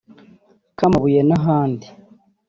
Kamabuye n’ahandi